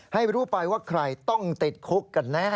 ให้รู้ไปว่าใครต้องติดคุกกันแน่